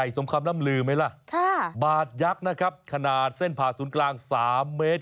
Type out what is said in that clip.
สมคำล่ำลือไหมล่ะบาดยักษ์นะครับขนาดเส้นผ่าศูนย์กลาง๓เมตร